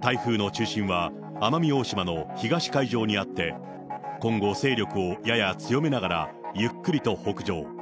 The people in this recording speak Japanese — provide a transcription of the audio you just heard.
台風の中心は奄美大島の東海上にあって、今後、勢力をやや強めながら、ゆっくりと北上。